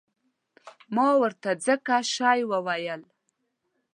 ما ورته ځکه شی وویل.